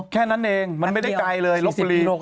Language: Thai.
แค่นั้นเองมันไม่ได้ไกลเลยลบบุรี